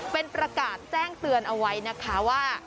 เป็นประกาศแจ้งเตือนเอาไว้นะคะว่า